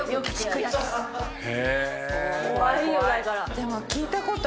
でも。